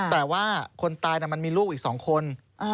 แต่ว่าคนตายมันมีลูกอีก๒คน